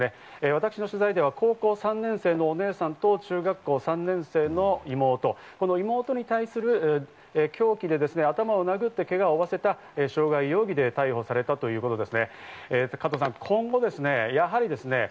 私の取材では高校３年生のお姉さんと中学校３年生の妹、この妹に対して凶器で頭を殴ってけがを負わせた傷害容疑で逮捕されたということです。